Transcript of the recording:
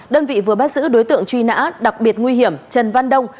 đơn vị vừa bắt giữ đối tượng truy nã đặc biệt nguy hiểm trần văn đông